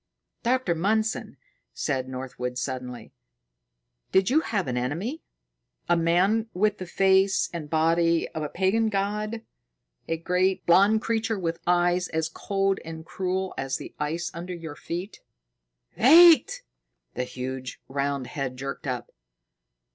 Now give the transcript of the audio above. "Doctor Mundson," said Northwood suddenly, "did you have an enemy, a man with the face and body of a pagan god a great, blond creature with eyes as cold and cruel as the ice under our feet?" "Wait!" The huge round head jerked up.